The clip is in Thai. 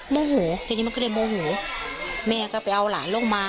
โมโหทีนี้มันก็เลยโมโหแม่ก็ไปเอาหลานลงมา